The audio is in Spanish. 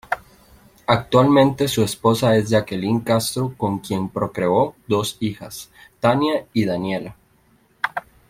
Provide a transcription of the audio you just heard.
Actualmente su esposa es Jacqueline Castro, con quien procreó dos hijas: Tanya y Daniela.